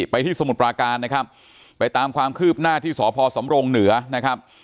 ที่สมุทรปราการนะครับไปตามความคืบหน้าที่สพสำรงเหนือนะครับ